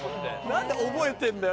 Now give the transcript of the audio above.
何で覚えてんだよ？